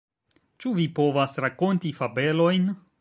Ĉu vi povas rakonti fabelojn?